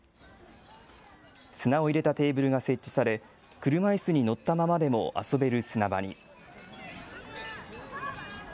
砂を入れたテーブルが設置され車いすに乗ったままでも遊べる砂場に。